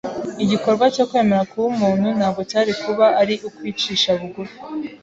Igikorwa cyo kwemera kuba umuntu ntabwo cyari kuba ari ukwicisha bugufi